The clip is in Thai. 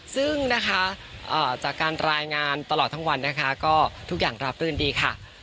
ซึ่งนะคะจากการรายงานตลอดทั้งวันนะคะก็ทุกอย่างราบรื่นดีค่ะ